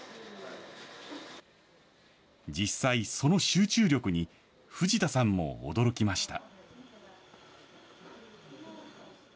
実際、その集中力に、藤田さんも驚きました。